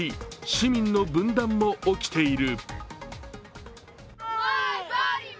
市民の分断も起きている。